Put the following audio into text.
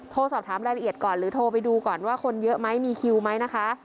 สอบถามรายละเอียดก่อนหรือโทรไปดูก่อนว่าคนเยอะไหมมีคิวไหมนะคะ